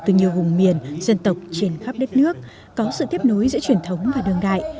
từ nhiều vùng miền dân tộc trên khắp đất nước có sự tiếp nối giữa truyền thống và đường đại